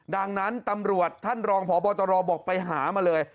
ดังนั้นตำรวจท่านรองพบตรบอกไปหามาเลย